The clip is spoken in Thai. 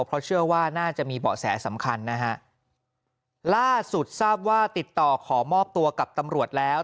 เพราะเชื่อว่าน่าจะมีเบาะแสสำคัญนะฮะล่าสุดทราบว่าติดต่อขอมอบตัวกับตำรวจแล้ว